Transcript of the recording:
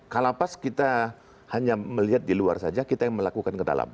kalapas kita hanya melihat di luar saja kita yang melakukan ke dalam